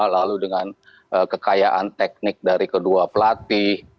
lalu dengan kekayaan teknik dari kedua pelatih